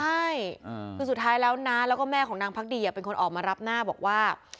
ใช่คือสุดท้ายแล้วน้าแล้วก็แม่ของนางพักดีเป็นคนออกมารับหน้าบอกว่า